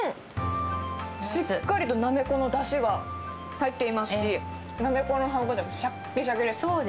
しっかりとなめこのだしが入っていますし、なめこの歯応えもしゃっきしゃきで。